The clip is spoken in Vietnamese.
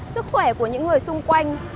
sức khỏe của những người xung quanh